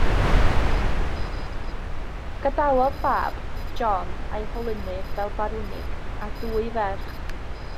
Gadawodd fab, John, a'i holynodd fel barwnig, a dwy ferch.